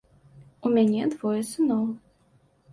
У мяне двое сыноў.